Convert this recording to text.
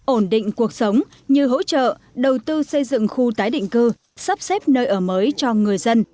ổn định cuộc sống như hỗ trợ đầu tư xây dựng khu tái định cư sắp xếp nơi ở mới cho người dân